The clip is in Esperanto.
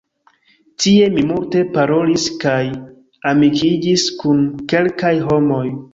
Tie mi multe parolis kaj amikiĝis kun kelkaj homoj.